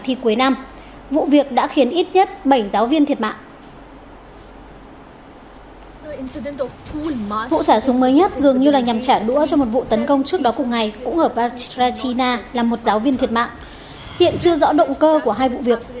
hiện chưa rõ động cơ của hai vụ việc